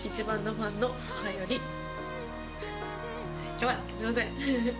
やばい、すみません。